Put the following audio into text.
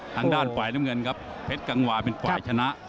ทางด้านฝ่ายน้ำเงินครับเพชรกังวาเป็นฝ่ายชนะ